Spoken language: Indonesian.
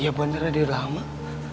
iya bandara di rumah